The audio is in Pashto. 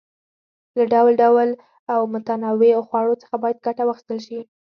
له ډول ډول او متنوعو خوړو څخه باید ګټه واخیستل شي.